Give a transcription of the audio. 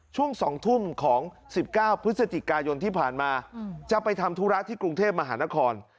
ช่วง๒ทุ่มของ๑๙พฤศจิกายนที่ผ่านมาจะไปทำธุระที่กรุงเทพมหานคร